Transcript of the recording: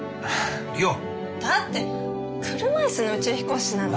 だって車いすの宇宙飛行士なんて。